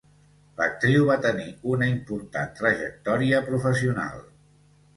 L'actriu va tenir una important trajectòria professional.